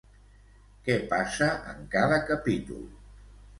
Què passa en cada capítol?